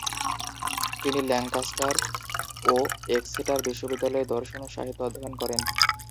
তিনি ল্যাঙ্কাস্টার ও এক্সেটার বিশ্ববিদ্যালয়ে দর্শন ও সাহিত্য অধ্যয়ন করেন।